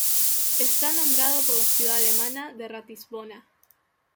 Está nombrado por la ciudad alemana de Ratisbona.